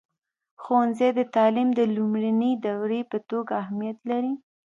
ښوونځی د تعلیم د لومړني دور په توګه اهمیت لري.